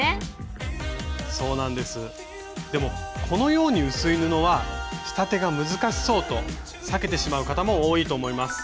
でもこのように薄い布は仕立てが難しそうと避けてしまう方も多いと思います。